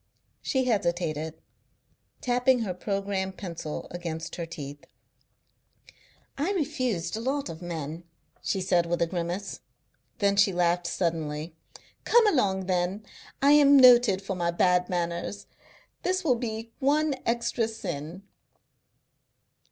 She hesitated, tapping her programme pencil against her teeth. "I refused a lot of men," she said, with a grimace. Then she laughed suddenly. "Come along, then. I am noted for my bad manners. This will only be one extra sin."